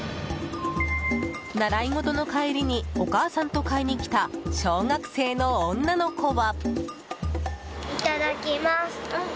習い事の帰りにお母さんと買いに来た小学生の女の子は。